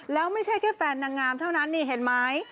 แล้วไม่ใช่แค่แฟนนางงามเท่านั้นนี่เห็นไหม